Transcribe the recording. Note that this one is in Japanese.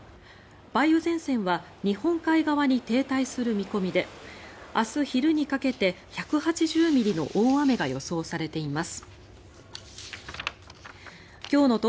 梅雨前線は日本海側に停滞する見込みで明日昼にかけて１８０ミリの大雨が予想されています。